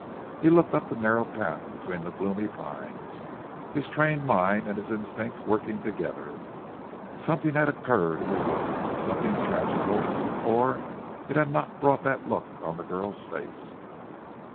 He looked up the narrow path between the gloomy pines, his trained mind and his instincts working together. Something had occurred in the wood, something tragical, or it had not brought that look on the girl's face.